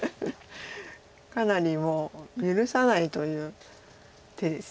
かなりもう許さないという手です。